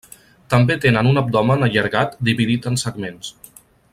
També tenen un abdomen allargat dividit en segments.